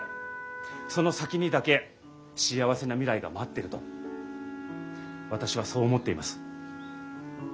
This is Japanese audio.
その先にだけ幸せな未来が待ってると私はそう思っています。